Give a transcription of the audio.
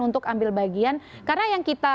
untuk ambil bagian karena yang kita